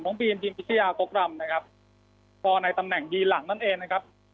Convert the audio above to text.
น้องบีนพิมพิชาโกกรัมนะครับพอในตำแหน่งดีหลังนั่นเองนะครับ